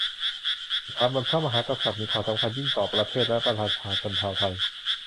สถาบันพระมหากษัตริย์มีความสำคัญยิ่งต่อประเทศและประชาชนชาวไทย